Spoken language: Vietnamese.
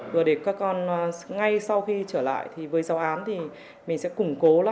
vừa để các con ngay sau khi trở lại với giáo án thì mình sẽ củng cố